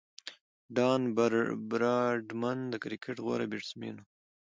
ډان براډمن د کرکټ غوره بیټسمېن وو.